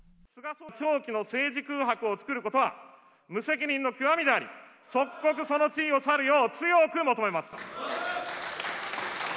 長期の政治空白を作ることは無責任の極みであり、即刻その地位を去るよう強く求めます。